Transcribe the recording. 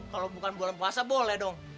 kalau bukan bulan puasa boleh dong